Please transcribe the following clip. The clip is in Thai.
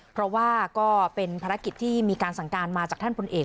เพราะว่าก็เป็นภารกิจที่มีการสั่งการมาจากท่านพลเอก